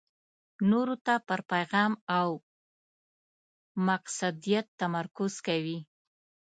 نورو ته پر پېغام او مقصدیت تمرکز کوي.